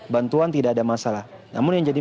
bantuan tidak ada masalah namun yang jadi